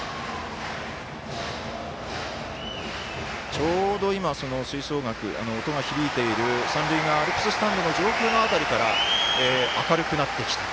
ちょうど今、吹奏楽音が響いている三塁側アルプススタンドの上空の辺りから明るくなってきた。